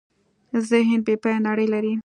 ذهن بېپایه نړۍ لري.